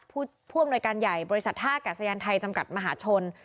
ผู้อำนวยการใหญ่บริษัทท่ากาศยานไทยจำกัดมหาชน